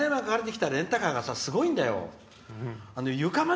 金山が借りてきたレンタカーがすごいんだよ。